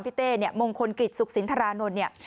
พี่เต้มงคลกิจสุขศิลป์ธารานนท์